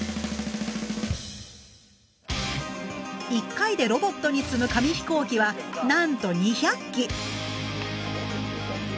１回でロボットに積む紙飛行機はなんと２００機！